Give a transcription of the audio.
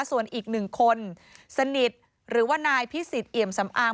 ส่วนอีกหนึ่งคนสนิทหรือว่านายพิสิทธิเอี่ยมสำอาง